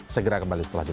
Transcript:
segera kembali setelah kita